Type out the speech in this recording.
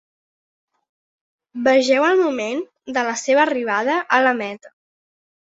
Vegeu el moment de la seva arribada a la meta.